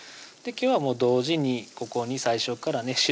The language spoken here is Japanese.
今日は同時にここに最初からね